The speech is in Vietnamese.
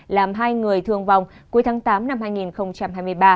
làm hai người thương vong cuối tháng tám năm hai nghìn hai mươi ba